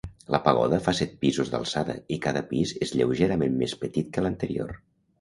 La pagoda fa set pisos d'alçada i cada pis és lleugerament més petit que l'anterior.